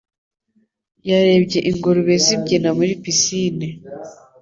Yarebye ingurube zibyina muri pisine.